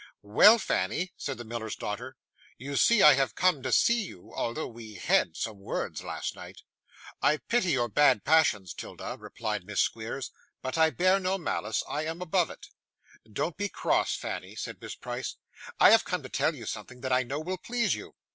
'Well, Fanny,' said the miller's daughter, 'you see I have come to see you, although we HAD some words last night.' 'I pity your bad passions, 'Tilda,' replied Miss Squeers, 'but I bear no malice. I am above it.' 'Don't be cross, Fanny,' said Miss Price. 'I have come to tell you something that I know will please you.